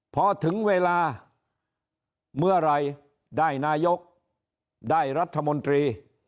พอถึงเวลาเมื่อไหร่ได้นายกได้รัฐมนตรี